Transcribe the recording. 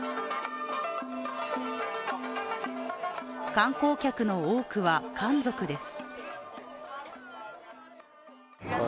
観光客の多くは、漢族です。